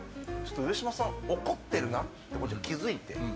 上島さん怒ってるなって気づいて。